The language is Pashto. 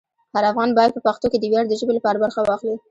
هر افغان باید په پښتو کې د ویاړ د ژبې لپاره برخه واخلي.